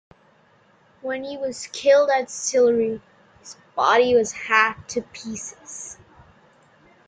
When he was killed at Sillery, his body was hacked to pieces.